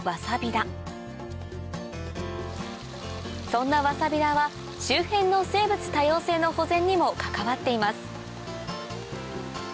そんなわさび田は周辺の生物多様性の保全にも関わっています